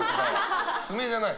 爪じゃない？